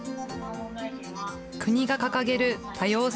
国が掲げる多様性